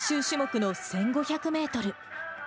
そして最終種目の１５００メートル。